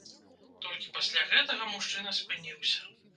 Толькі пасля гэтага мужчына спыніўся.